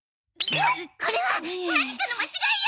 これは何かの間違いよ！